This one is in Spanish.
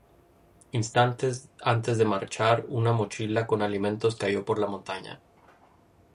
Instantes antes de marchar, una mochila con alimentos cayó por la montaña.